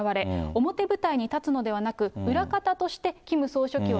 表舞台にたつのではなく、裏方としてキ